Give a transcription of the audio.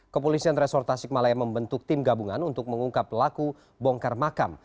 kepolisian resor tasikmalaya membentuk tim gabungan untuk mengungkap pelaku bongkar makam